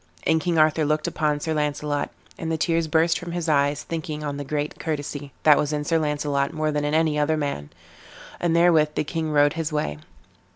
And King Arthur looked upon Sir Launcelot, and the tears burst from his eyes, thinking on the great courtesy that was in Sir Launcelot more than in any other man; and therewith the king rode his way.